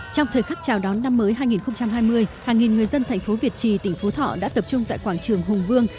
trong thời khắc chào đón năm mới hai nghìn hai mươi hàng nghìn người dân thành phố việt trì tỉnh phú thọ đã tập trung tại quảng trường hùng vương